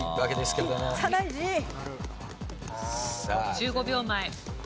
１５秒前。